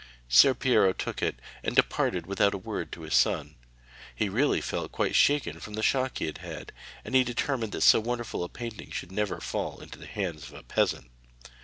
Ser Piero took it, and departed without a word to his son; he really felt quite shaken from the shock he had had, and he determined that so wonderful a painting should never fall into the hands of a peasant.